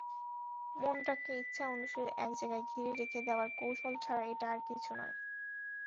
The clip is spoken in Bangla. মনটাকে ইচ্ছানুসারে এক জায়গায় ঘিরে রেখে দেওয়ার কৌশল ছাড়া এটা আর কিছু নয়।